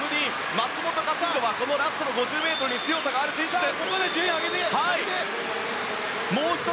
松元克央はラストの５０ｍに強さがある選手です。